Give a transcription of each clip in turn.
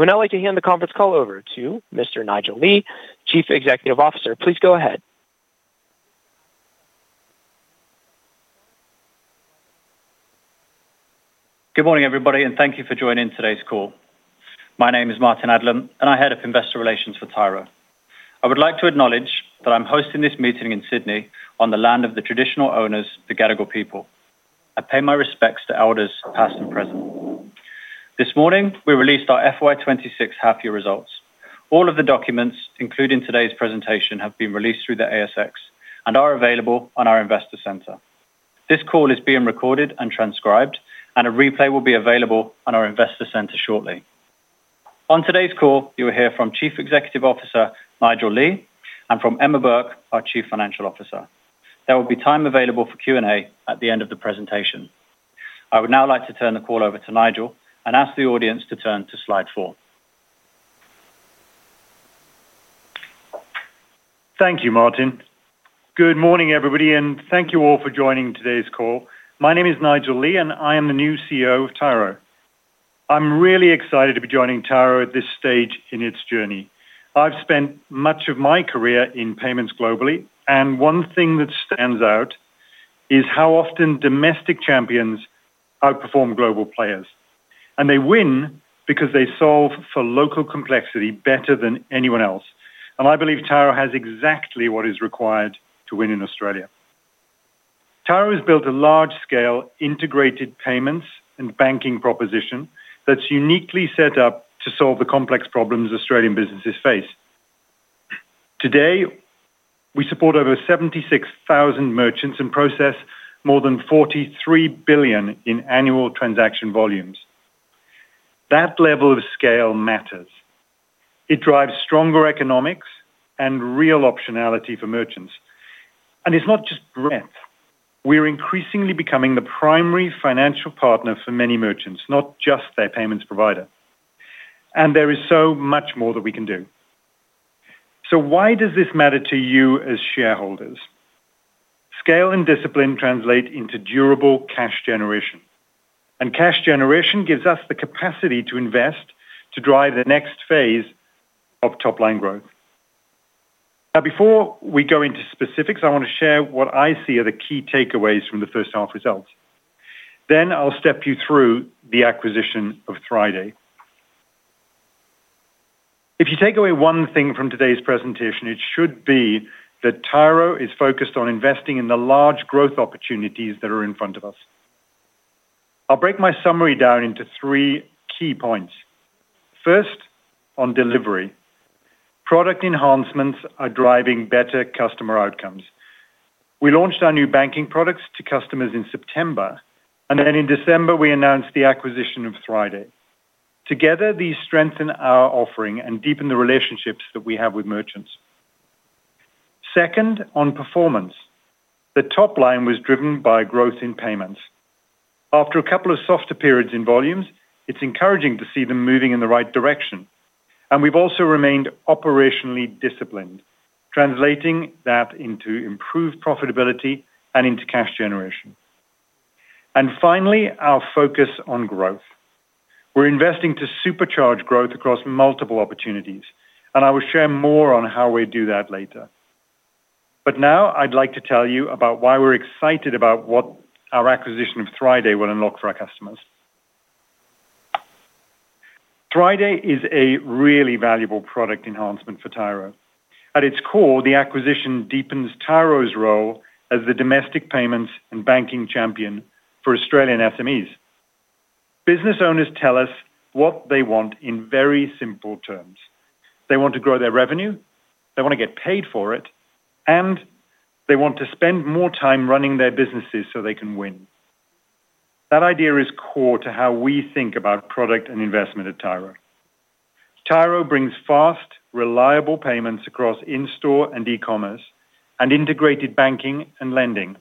I would now like to hand the conference call over to Mr. Nigel Lee, Chief Executive Officer. Please go ahead. Good morning, everybody, and thank you for joining today's call. My name is Martyn Adlam, and I'm Head of Investor Relations for Tyro. I would like to acknowledge that I'm hosting this meeting in Sydney on the land of the traditional owners, the Gadigal people. I pay my respects to elders, past and present. This morning, we released our FY 2026 half-year results. All of the documents included in today's presentation have been released through the ASX and are available on our Investor Centre. This call is being recorded and transcribed, and a replay will be available on our Investor Centre shortly. On today's call, you will hear from Chief Executive Officer, Nigel Lee, and from Emma Burke, our Chief Financial Officer. There will be time available for Q&A at the end of the presentation. I would now like to turn the call over to Nigel and ask the audience to turn to slide four. Thank you, Martyn. Good morning, everybody, thank you all for joining today's call. My name is Nigel Lee, I am the new CEO of Tyro. I'm really excited to be joining Tyro at this stage in its journey. I've spent much of my career in payments globally, one thing that stands out is how often domestic champions outperform global players, they win because they solve for local complexity better than anyone else. I believe Tyro has exactly what is required to win in Australia. Tyro has built a large-scale integrated payments and banking proposition that's uniquely set up to solve the complex problems Australian businesses face. Today, we support over 76,000 merchants and process more than 43 billion in annual transaction volumes. That level of scale matters. It drives stronger economics and real optionality for merchants, it's not just breadth. We're increasingly becoming the primary financial partner for many merchants, not just their payments provider. There is so much more that we can do. Why does this matter to you as shareholders? Scale and discipline translate into durable cash generation. Cash generation gives us the capacity to invest, to drive the next phase of top-line growth. Now, before we go into specifics, I want to share what I see are the key takeaways from the first half results. I'll step you through the acquisition of Thriday. If you take away one thing from today's presentation, it should be that Tyro is focused on investing in the large growth opportunities that are in front of us. I'll break my summary down into three key points. First, on delivery. Product enhancements are driving better customer outcomes. We launched our new banking products to customers in September, and then in December, we announced the acquisition of Thriday. Together, these strengthen our offering and deepen the relationships that we have with merchants. Second, on performance. The top line was driven by growth in payments. After a couple of softer periods in volumes, it's encouraging to see them moving in the right direction, we've also remained operationally disciplined, translating that into improved profitability and into cash generation. Finally, our focus on growth. We're investing to supercharge growth across multiple opportunities, I will share more on how we do that later. Now I'd like to tell you about why we're excited about what our acquisition of Thriday will unlock for our customers. Thriday is a really valuable product enhancement for Tyro. At its core, the acquisition deepens Tyro's role as the domestic payments and banking champion for Australian SMEs. Business owners tell us what they want in very simple terms. They want to grow their revenue, they want to get paid for it, and they want to spend more time running their businesses so they can win. That idea is core to how we think about product and investment at Tyro. Tyro brings fast, reliable payments across in-store and e-commerce and integrated banking and lending.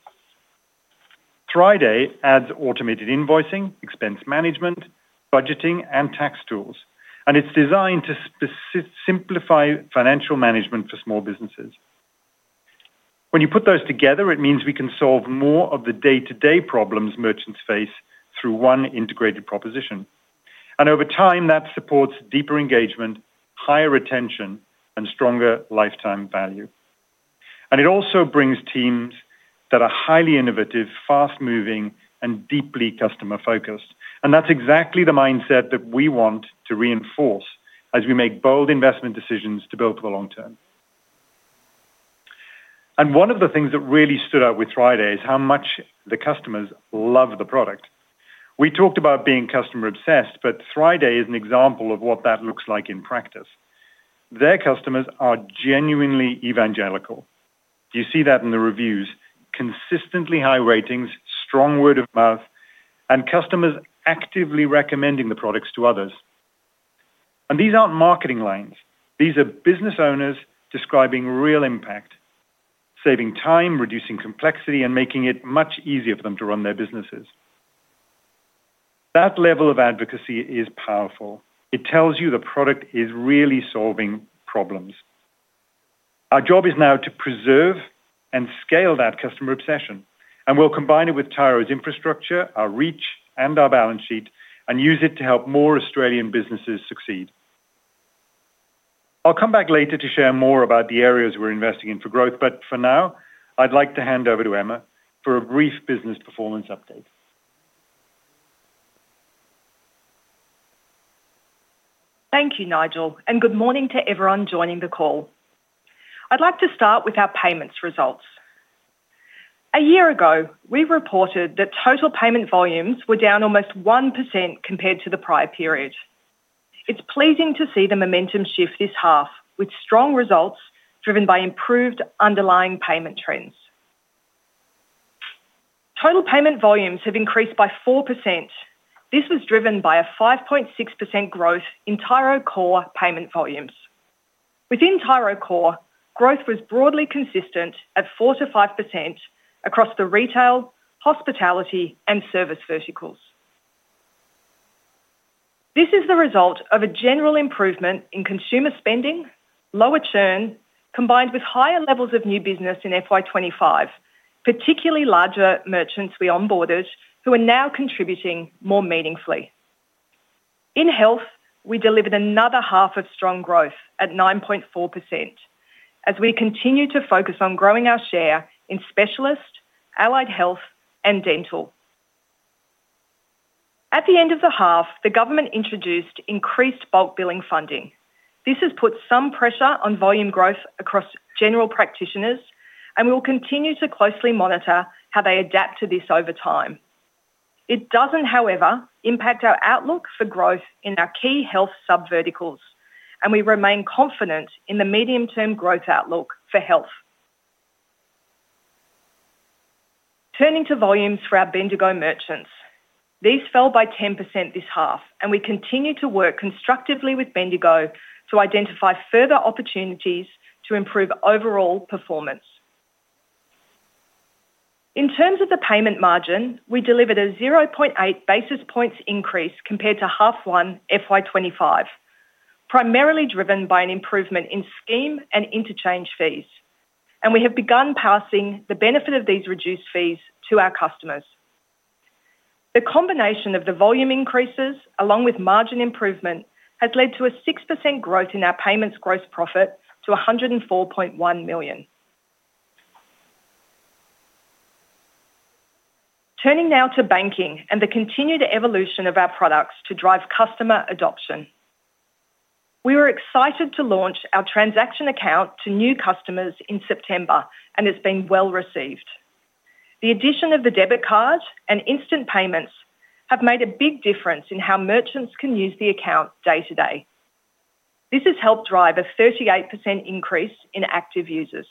Thriday adds automated invoicing, expense management, budgeting, and tax tools, and it's designed to simplify financial management for small businesses. When you put those together, it means we can solve more of the day-to-day problems merchants face through one integrated proposition. Over time, that supports deeper engagement, higher retention, and stronger lifetime value. It also brings teams that are highly innovative, fast-moving, and deeply customer-focused. That's exactly the mindset that we want to reinforce as we make bold investment decisions to build for the long term. One of the things that really stood out with Thriday is how much the customers love the product. We talked about being customer-obsessed, but Thriday is an example of what that looks like in practice. Their customers are genuinely evangelical. You see that in the reviews, consistently high ratings, strong word of mouth, and customers actively recommending the products to others. These aren't marketing lines. These are business owners describing real impact, saving time, reducing complexity, and making it much easier for them to run their businesses. That level of advocacy is powerful. It tells you the product is really solving problems. Our job is now to preserve and scale that customer obsession, and we'll combine it with Tyro's infrastructure, our reach, and our balance sheet, and use it to help more Australian businesses succeed. I'll come back later to share more about the areas we're investing in for growth, but for now, I'd like to hand over to Emma for a brief business performance update. Thank you, Nigel. Good morning to everyone joining the call. I'd like to start with our payments results. A year ago, we reported that total payment volumes were down almost 1% compared to the prior period. It's pleasing to see the momentum shift this half, with strong results driven by improved underlying payment trends. Total payment volumes have increased by 4%. This was driven by a 5.6% growth in Tyro Core payment volumes. Within Tyro Core, growth was broadly consistent at 4%-5% across the retail, hospitality, and service verticals. This is the result of a general improvement in consumer spending, lower churn, combined with higher levels of new business in FY 2025, particularly larger merchants we onboarded, who are now contributing more meaningfully. In Health, we delivered another half of strong growth at 9.4%, as we continue to focus on growing our share in specialist, allied health, and dental. At the end of the half, the government introduced increased bulk billing funding. This has put some pressure on volume growth across general practitioners, and we'll continue to closely monitor how they adapt to this over time. It doesn't, however, impact our outlook for growth in our key health subverticals, and we remain confident in the medium-term growth outlook for health. Turning to volumes for our Bendigo merchants. These fell by 10% this half, and we continue to work constructively with Bendigo to identify further opportunities to improve overall performance. In terms of the payment margin, we delivered a 0.8 basis points increase compared to half one FY 2025, primarily driven by an improvement in scheme and interchange fees, and we have begun passing the benefit of these reduced fees to our customers. The combination of the volume increases, along with margin improvement, has led to a 6% growth in our payments gross profit to 104.1 million. Turning now to banking and the continued evolution of our products to drive customer adoption. We were excited to launch our transaction account to new customers in September, and it's been well received. The addition of the debit card and instant payments have made a big difference in how merchants can use the account day-to-day. This has helped drive a 38% increase in active users.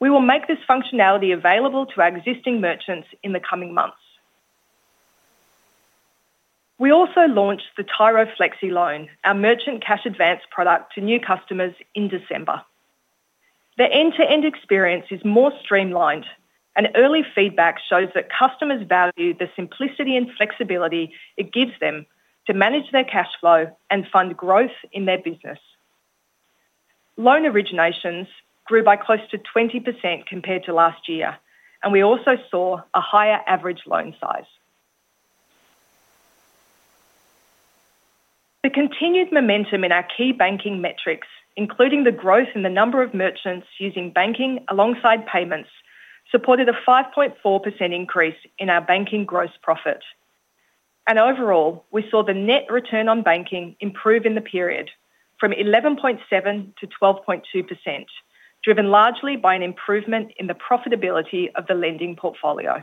We will make this functionality available to our existing merchants in the coming months. We also launched the Tyro Flexi Loan, our merchant cash advance product, to new customers in December. The end-to-end experience is more streamlined, and early feedback shows that customers value the simplicity and flexibility it gives them to manage their cash flow and fund growth in their business. Loan originations grew by close to 20% compared to last year, and we also saw a higher average loan size. The continued momentum in our key banking metrics, including the growth in the number of merchants using banking alongside payments, supported a 5.4% increase in our banking gross profit. Overall, we saw the net return on banking improve in the period from 11.7%-12.2%, driven largely by an improvement in the profitability of the lending portfolio.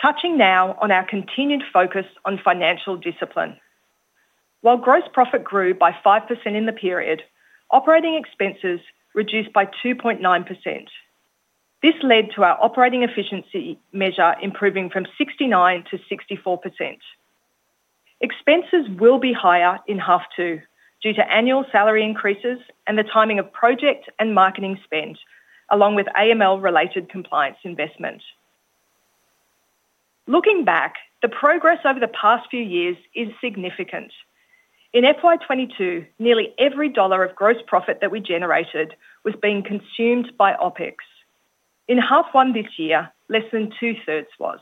Touching now on our continued focus on financial discipline. While gross profit grew by 5% in the period, operating expenses reduced by 2.9%. This led to our operating efficiency measure improving from 69% to 64%. Expenses will be higher in half two due to annual salary increases and the timing of project and marketing spend, along with AML-related compliance investment. Looking back, the progress over the past few years is significant. In FY 2022, nearly every dollar of gross profit that we generated was being consumed by OpEx. In half one this year, less than two-thirds was.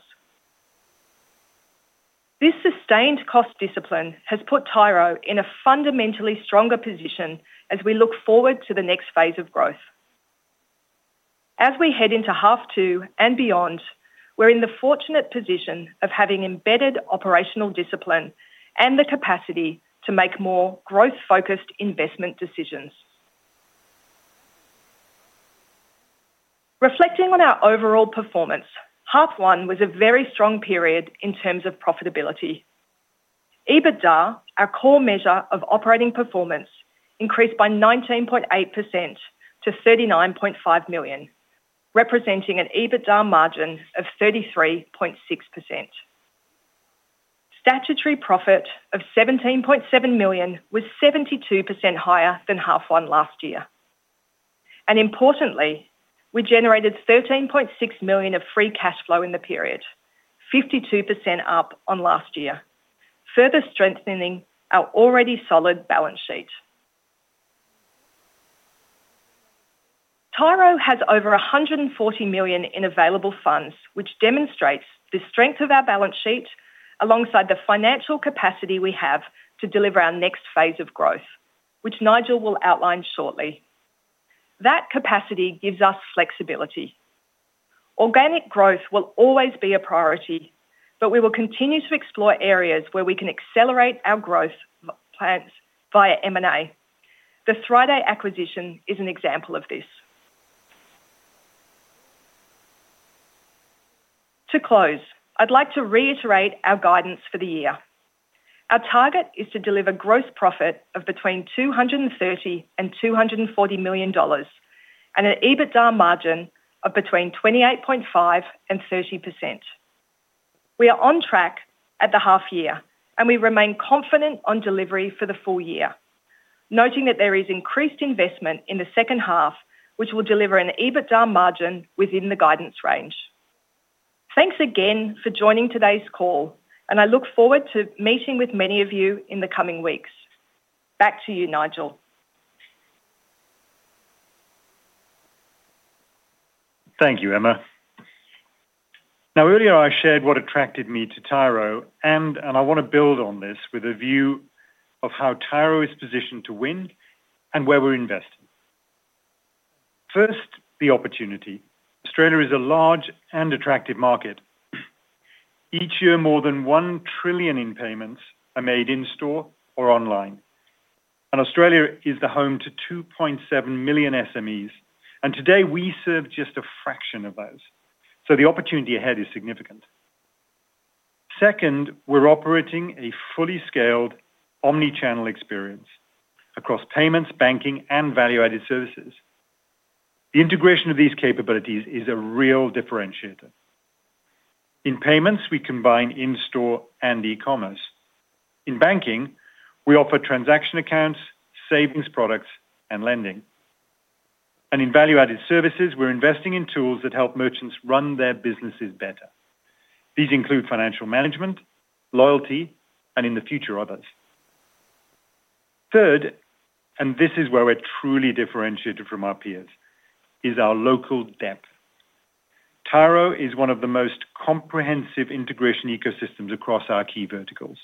This sustained cost discipline has put Tyro in a fundamentally stronger position as we look forward to the next phase of growth. As we head into half two and beyond, we're in the fortunate position of having embedded operational discipline and the capacity to make more growth-focused investment decisions. Reflecting on our overall performance, half one was a very strong period in terms of profitability. EBITDA, our core measure of operating performance, increased by 19.8% to 39.5 million, representing an EBITDA margin of 33.6%. Statutory profit of AUD 17.7 million was 72% higher than half one last year. Importantly, we generated 13.6 million of free cash flow in the period, 52% up on last year, further strengthening our already solid balance sheet. Tyro has over 140 million in available funds, which demonstrates the strength of our balance sheet, alongside the financial capacity we have to deliver our next phase of growth, which Nigel will outline shortly. That capacity gives us flexibility. Organic growth will always be a priority, but we will continue to explore areas where we can accelerate our growth plans via M&A. The Thriday acquisition is an example of this. To close, I'd like to reiterate our guidance for the year. Our target is to deliver gross profit of between 230 million and 240 million dollars, and an EBITDA margin of between 28.5% and 30%. We are on track at the half year, and we remain confident on delivery for the full year, noting that there is increased investment in the second half, which will deliver an EBITDA margin within the guidance range. Thanks again for joining today's call, and I look forward to meeting with many of you in the coming weeks. Back to you, Nigel. Thank you, Emma. Now, earlier I shared what attracted me to Tyro, and I want to build on this with a view of how Tyro is positioned to win and where we're investing. First, the opportunity. Australia is a large and attractive market. Each year, more than 1 trillion in payments are made in-store or online. Australia is the home to 2.7 million SMEs, and today we serve just a fraction of those. The opportunity ahead is significant. Second, we're operating a fully scaled omnichannel experience across payments, banking, and value-added services. The integration of these capabilities is a real differentiator. In payments, we combine in-store and e-commerce. In banking, we offer transaction accounts, savings products, and lending. In value-added services, we're investing in tools that help merchants run their businesses better. These include financial management, loyalty, and in the future, others. Third, this is where we're truly differentiated from our peers, is our local depth. Tyro is one of the most comprehensive integration ecosystems across our key verticals.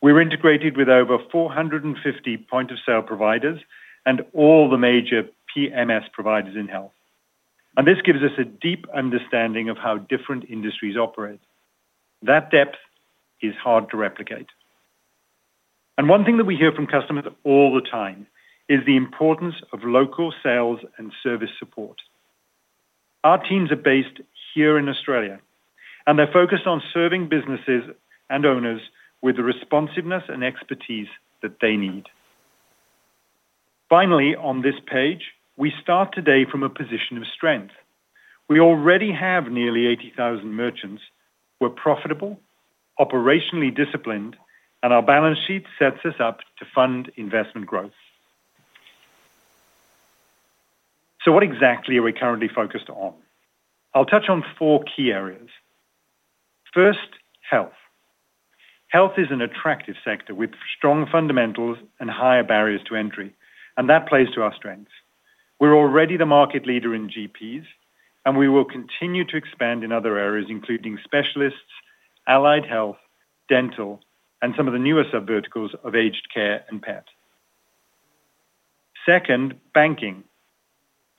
We're integrated with over 450 point-of-sale providers and all the major PMS providers in health. This gives us a deep understanding of how different industries operate. That depth is hard to replicate. One thing that we hear from customers all the time is the importance of local sales and service support. Our teams are based here in Australia, and they're focused on serving businesses and owners with the responsiveness and expertise that they need. Finally, on this page, we start today from a position of strength. We already have nearly 80,000 merchants. We're profitable, operationally disciplined, and our balance sheet sets us up to fund investment growth. What exactly are we currently focused on? I'll touch on four key areas. First, health. Health is an attractive sector with strong fundamentals and higher barriers to entry. That plays to our strengths. We're already the market leader in GPs. We will continue to expand in other areas, including specialists, allied health, dental, and some of the newer subverticals of aged care and pet. Second, banking.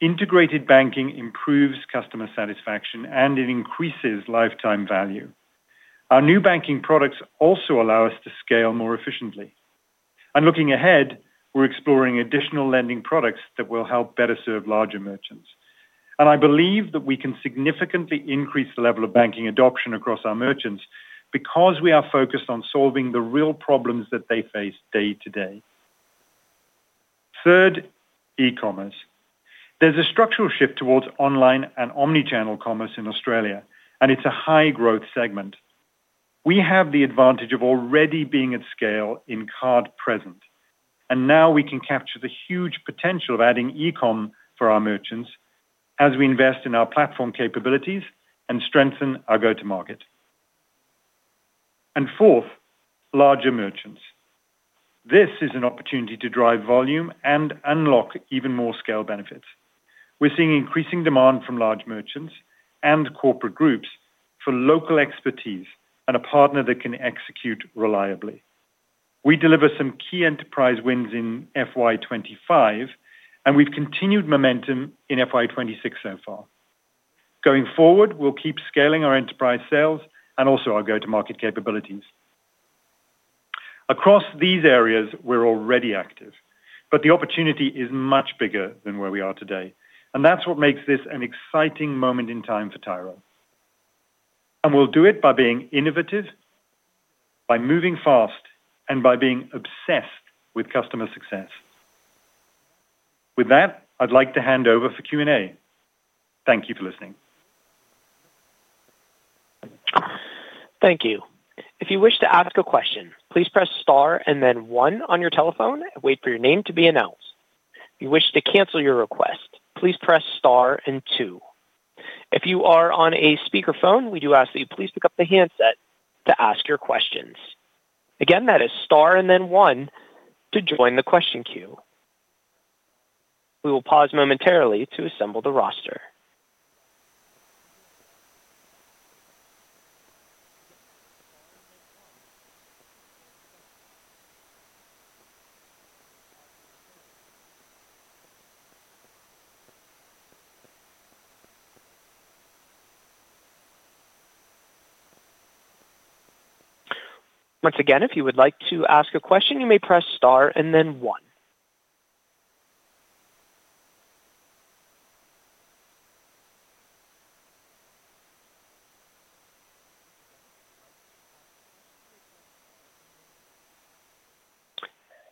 Integrated banking improves customer satisfaction. It increases lifetime value. Our new banking products also allow us to scale more efficiently. Looking ahead, we're exploring additional lending products that will help better serve larger merchants. I believe that we can significantly increase the level of banking adoption across our merchants because we are focused on solving the real problems that they face day to day. Third, e-commerce. There's a structural shift towards online and omnichannel commerce in Australia. It's a high-growth segment. We have the advantage of already being at scale in card-present, now we can capture the huge potential of adding e-com for our merchants as we invest in our platform capabilities and strengthen our go-to-market. Fourth, larger merchants. This is an opportunity to drive volume and unlock even more scale benefits. We're seeing increasing demand from large merchants and corporate groups for local expertise and a partner that can execute reliably. We delivered some key enterprise wins in FY 2025, we've continued momentum in FY 2026 so far. Going forward, we'll keep scaling our enterprise sales and also our go-to-market capabilities. Across these areas, we're already active, the opportunity is much bigger than where we are today, that's what makes this an exciting moment in time for Tyro. We'll do it by being innovative, by moving fast, and by being obsessed with customer success. With that, I'd like to hand over for Q&A. Thank you for listening.... Thank you. If you wish to ask a question, please press star and then one on your telephone and wait for your name to be announced. If you wish to cancel your request, please press star and two. If you are on a speakerphone, we do ask that you please pick up the handset to ask your questions. Again, that is star and then one to join the question queue. We will pause momentarily to assemble the roster. Once again, if you would like to ask a question, you may press star and then one.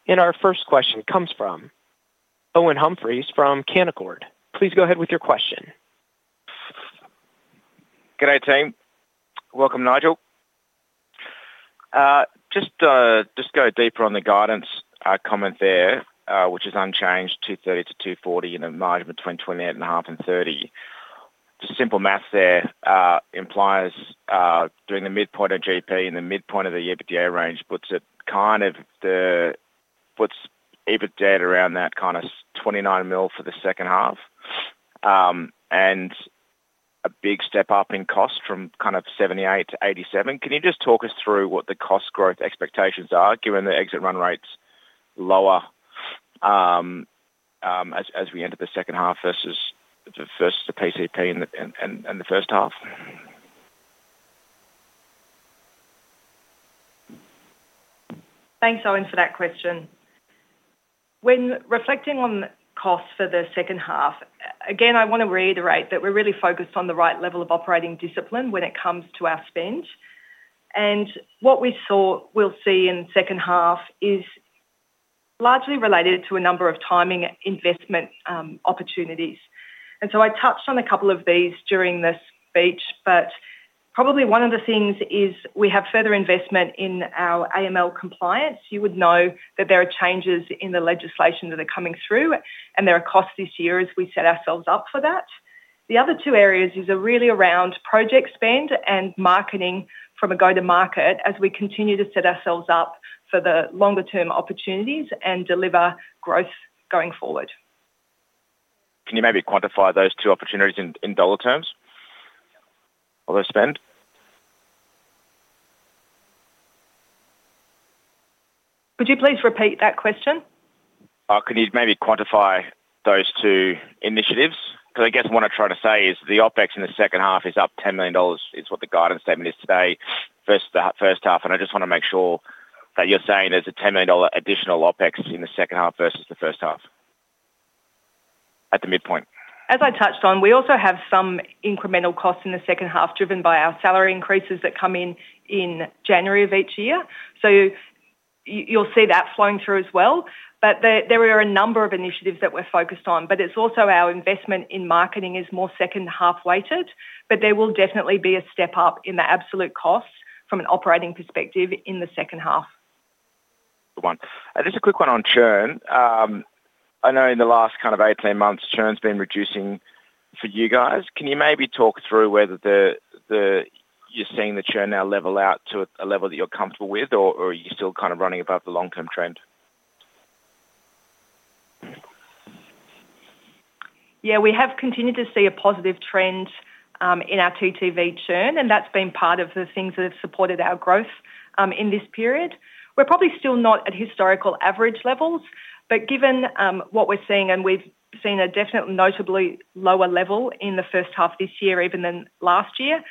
Our first question comes from Owen Humphries from Canaccord. Please go ahead with your question. Good day, team. Welcome, Nigel. Just go deeper on the guidance comment there, which is unchanged, 230 million-240 million, and a margin between 28.5% and 30%. Just simple math there implies during the midpoint of GP and the midpoint of the EBITDA range, puts EBITDA around that kind of 29 million for the second half. A big step up in cost from kind of 78 million to 87 million. Can you just talk us through what the cost growth expectations are, given the exit run rates lower as we enter the second half versus the PCP and the first half? Thanks, Owen, for that question. When reflecting on costs for the second half, again, I want to reiterate that we're really focused on the right level of operating discipline when it comes to our spend. What we thought we'll see in the second half is largely related to a number of timing investment opportunities. I touched on a couple of these during the speech, but probably one of the things is we have further investment in our AML compliance. You would know that there are changes in the legislation that are coming through, and there are costs this year as we set ourselves up for that. The other two areas is really around project spend and marketing from a go-to-market as we continue to set ourselves up for the longer-term opportunities and deliver growth going forward. Can you maybe quantify those two opportunities in, in dollar terms of the spend? Could you please repeat that question? Could you maybe quantify those two initiatives? I guess what I'm trying to say is the OpEx in the second half is up 10 million dollars, is what the guidance statement is today, first half, and I just want to make sure that you're saying there's a 10 million dollar additional OpEx in the second half versus the first half at the midpoint. As I touched on, we also have some incremental costs in the second half, driven by our salary increases that come in in January of each year. You, you'll see that flowing through as well. There, there are a number of initiatives that we're focused on, but it's also our investment in marketing is more second-half weighted, but there will definitely be a step up in the absolute cost from an operating perspective in the second half. Good one. Just a quick one on churn. I know in the last kind of 18 months, churn's been reducing for you guys. Can you maybe talk through whether you're seeing the churn now level out to a level that you're comfortable with, or, or are you still kind of running above the long-term trend? Yeah, we have continued to see a positive trend in our TTV churn, and that's been part of the things that have supported our growth in this period. We're probably still not at historical average levels, but given what we're seeing, and we've seen a definitely notably lower level in the first half this year even than last year,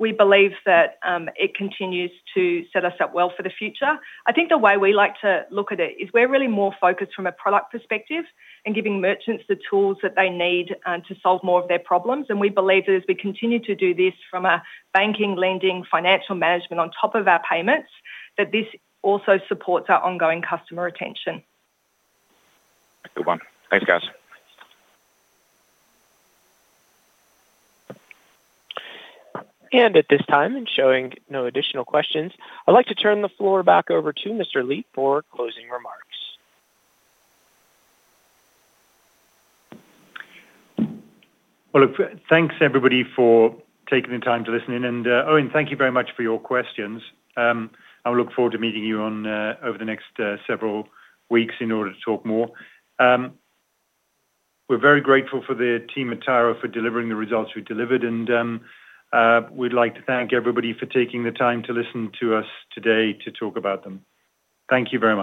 we believe that it continues to set us up well for the future. I think the way we like to look at it is we're really more focused from a product perspective and giving merchants the tools that they need to solve more of their problems. We believe that as we continue to do this from a banking, lending, financial management on top of our payments, that this also supports our ongoing customer retention. Good one. Thanks, guys. At this time, and showing no additional questions, I'd like to turn the floor back over to Mr. Lee for closing remarks. Well, look, thanks, everybody, for taking the time to listen in. Owen, thank you very much for your questions. I look forward to meeting you on over the next several weeks in order to talk more. We're very grateful for the team at Tyro for delivering the results we delivered, and we'd like to thank everybody for taking the time to listen to us today to talk about them. Thank you very much.